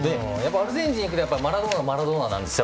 アルゼンチンっていうとマラドーナ、マラドーナなんですよ。